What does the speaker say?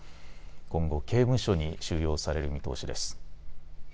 今後、刑務所に収容される見通しです。